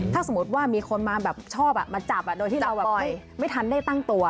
ถ้าสมมุติว่ามีคนมาแบบชอบมาจับโดยที่เราแบบไม่ทันได้ตั้งตัว